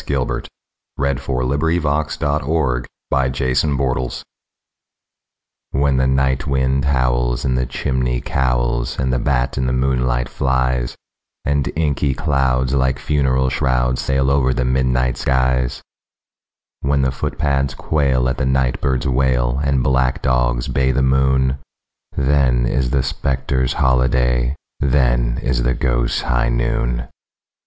But then, unhappily, I'm not thy bride! THE GHOSTS' HIGH NOON WHEN the night wind howls in the chimney cowls, and the bat in the moonlight flies, And inky clouds, like funeral shrouds, sail over the midnight skies— When the footpads quail at the night bird's wail, and black dogs bay the moon, Then is the spectres' holiday—then is the ghosts' high noon!